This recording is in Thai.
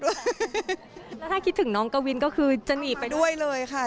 แล้วถ้าคิดถึงน้องกวินก็คือจะหนีไปด้วยเลยค่ะ